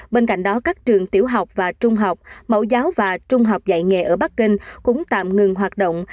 bên cạnh đó các trường tiểu học và trung học mẫu giáo và trung học dạy nghề ở bắc kinh cũng tạm ngừng hoạt động